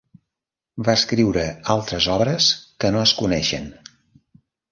Va escriure altres obres que no es coneixen.